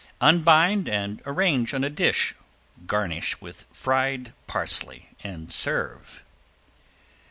Unbind and arrange on a dish, garnish with fried parsley and serve.